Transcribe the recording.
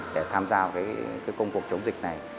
để tham gia công cuộc chống dịch này